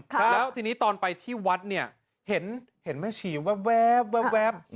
แล้วทีนี้ตอนไปที่วัดเนี่ยเห็นแม่ชีแว๊บ